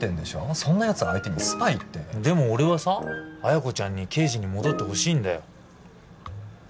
そんなやつ相手にスパイってでも俺はさ彩子ちゃんに刑事に戻ってほしいんだよ